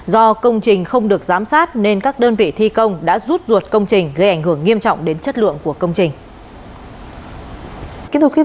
do công trình không được giám sát nên các đơn vị thi công đã rút ruột công trình gây ảnh hưởng nghiêm trọng đến chất lượng của công trình